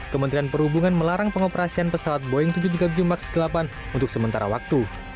kementerian perhubungan melarang pengoperasian pesawat boeing tujuh ratus tiga puluh tujuh max delapan untuk sementara waktu